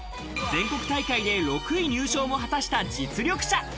全国大会で６位入賞を果たした実力者。